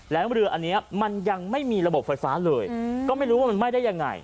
แล้วเรืออันนี้มันยังไม่มีระบบไฟฟ้าเลยก็ไม่รู้ว่ามันไหม้ได้ยังไง